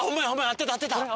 合ってた合ってた！